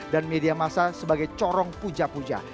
dan media masa sebagai corong puja puja